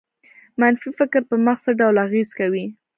منفي فکر په مغز څه ډول اغېز کوي؟